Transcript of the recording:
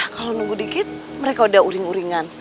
kalau nunggu dikit mereka udah uring uringan